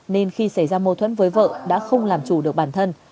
nên khi xảy ra mâu thuẫn với vợ đã không làm chủ được bản thân